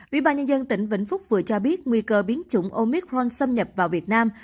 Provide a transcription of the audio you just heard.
ủy ban nhân dân tỉnh vĩnh phúc vừa cho biết nguy cơ biến chủng omic rong xâm nhập vào việt nam